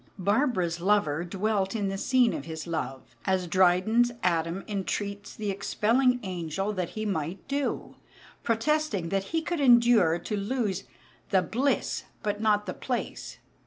Barbara's lover dwelt in the scene of his love, as Dryden's Adam entreats the expelling angel that he might do, protesting that he could endure to lose "the bliss, but not the place."